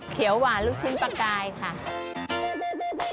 หวานลูกชิ้นปลากายค่ะ